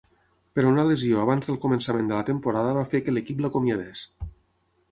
Però una lesió abans del començament de la temporada va fer que l'equip l'acomiadés.